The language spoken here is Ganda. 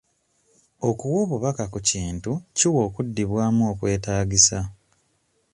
Okuwa obubaka ku kintu kiwa okuddibwamu okwetaagisa.